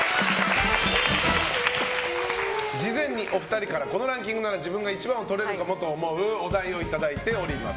事前にお二人からこのランキングなら自分が１番を取れるかもと思うお題をいただいております。